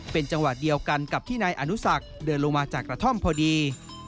เป็นจังหวะเดียวกันกับที่นายอนุสักเดินลงมาจากกระท่อมพอดี